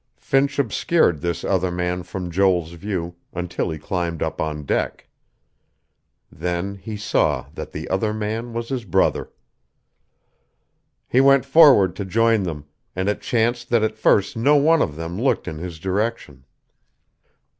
Finch obscured this other man from Joel's view, until he climbed up on deck. Then he saw that the other man was his brother. He went forward to join them; and it chanced that at first no one of them looked in his direction.